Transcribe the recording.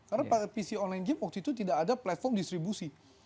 karena pada pc online game waktu itu tidak ada platform distribusi